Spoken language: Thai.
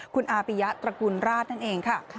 คุณอาปิยะตระกูลราชนั่นเองค่ะ